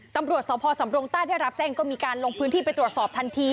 ตำรวจสพสำรงใต้ได้รับแจ้งก็มีการลงพื้นที่ไปตรวจสอบทันที